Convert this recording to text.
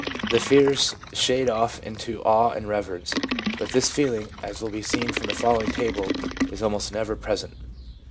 The fears shade off into awe and reverence, but this feel ing, as will be seen from the following table, is almost never present.